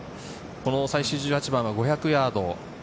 最終１８番は５００ヤード。